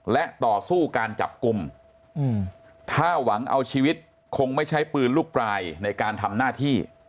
และต่อสู้การจับกลุ่มถ้าหวังเอาชีวิตคงไม่ใช้ปืนลูกปลายในการทำหน้าที่